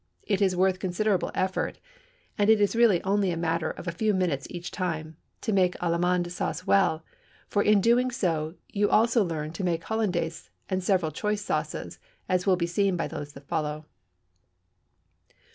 It is worth considerable effort (and it is really only a matter of a few minutes each time) to make Allemande sauce well, for in doing so you also learn to make Hollandaise and several choice sauces, as will be seen by those that follow.